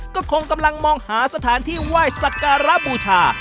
ก็คงกำลังมองหาสถานที่ไหว้สักการะบูชา